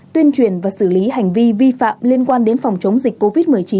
tuyên truyền và xử lý hành vi vi phạm liên quan đến phòng chống dịch covid một mươi chín